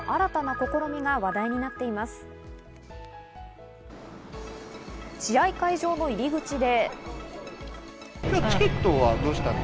試合会場の入口で。